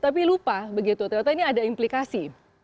tapi lupa begitu ternyata ini ada implikasi